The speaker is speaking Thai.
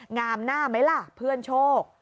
งามหน้าไหมล่ะเพื่อนโชค